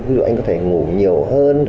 ví dụ anh có thể ngủ nhiều hơn